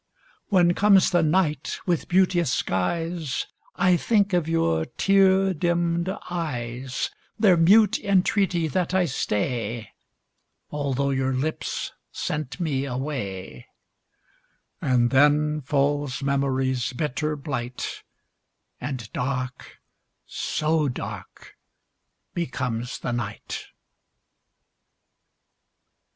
When comes the night with beauteous skies, I think of your tear dimmed eyes, Their mute entreaty that I stay, Although your lips sent me away; And then falls memory's bitter blight, And dark so dark becomes the night.